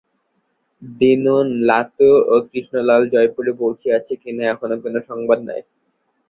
দীনু, লাটু ও কৃষ্ণলাল জয়পুরে পৌঁছিয়াছে কিনা, এখনও কোন সংবাদ নাই।